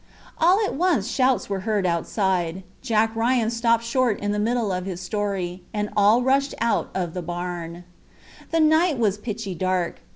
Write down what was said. All at once shouts were heard outside. Jack Ryan stopped short in the middle of his story, and all rushed out of the barn. The night was pitchy dark.